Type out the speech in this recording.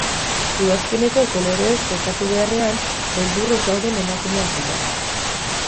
Udazkeneko koloreez gozatu beharrean, beldurrez dauden emakumeak dira.